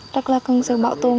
rất là cần sự bảo tồn